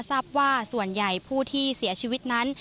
ทราบว่าส่วนใหญ่ผู้ที่เสียชีวิตนั้น